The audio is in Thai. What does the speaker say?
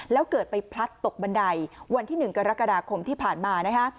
แล้วเกิดไปพลัดตกบันไดวันที่๑กรกฎาคมที่ผ่านมานะฮะ